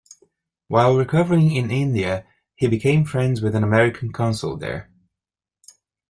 While recovering in India, he became friends with an American consul there.